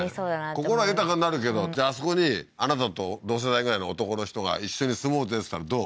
心は豊かになるけどじゃああそこにあなたと同世代ぐらいの男の人が一緒に住もうぜっつったらどう？